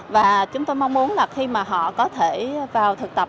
và chúng tôi mong muốn khi họ có thể vào thực tập